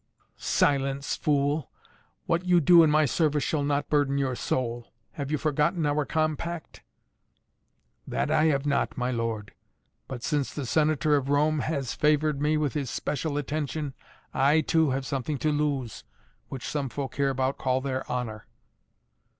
"Silence, fool! What you do in my service shall not burden your soul! Have you forgotten our compact?" "That I have not, my lord! But since the Senator of Rome has favored me with his especial attention, I too have something to lose, which some folk hereabout call their honor."